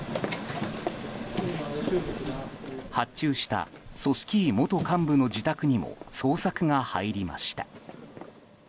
発注した組織委元幹部の自宅にも捜索が入りました。